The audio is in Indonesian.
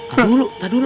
tahan dulu tahan dulu